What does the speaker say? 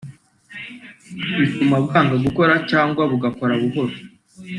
bituma bwanga gukora cyangwa bugakora buhoro